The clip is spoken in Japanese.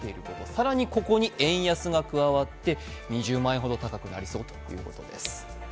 更にここに円安が加わって２０万円ほど高くなりそうということです。